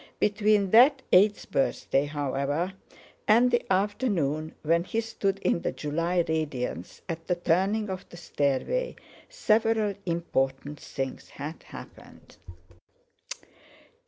Between that eighth birthday, however, and the afternoon when he stood in the July radiance at the turning of the stairway, several important things had happened.